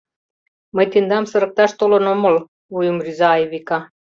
— Мый тендам сырыкташ толын омыл! — вуйым рӱза Айвика.